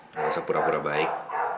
rasa pura pura baik